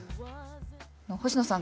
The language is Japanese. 星野さん